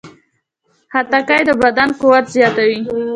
خټکی د بدن قوت زیاتوي.